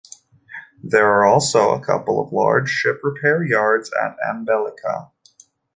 There are also a couple of large ship repair yards at Ambelakia.